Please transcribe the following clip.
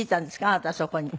あなたはそこに。